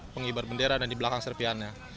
pengibar bendera dan di belakang serpiannya